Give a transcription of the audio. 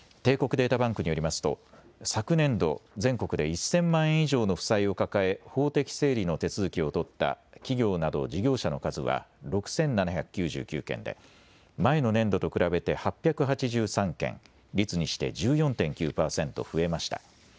昨年度、全国で１０００万円以上の負債を抱え法的整理の手続きを取った企業など事業者の数は６７９９件で前の年度と比べて８８３件、率にして１４．９％増えました。